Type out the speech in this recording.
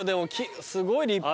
すごい立派。